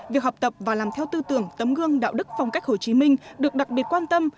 việc học tập và làm theo tư tưởng tấm gương đạo đức phong cách hồ chí minh được đặc biệt quan tâm